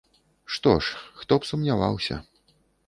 Што ж, хто б сумняваўся.